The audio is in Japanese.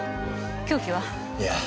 凶器は？いや。